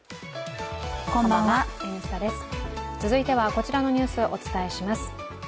続いてはこちらのニュース、お伝えします。